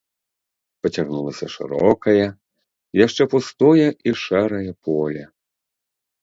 Пацягнулася шырокае, яшчэ пустое і шэрае поле.